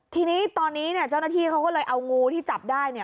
ทีนี้ตอนนี้เนี่ยเจ้าหน้าที่เขาก็เลยเอางูที่จับได้เนี่ย